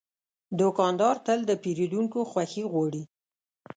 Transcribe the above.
دوکاندار تل د پیرودونکو خوښي غواړي.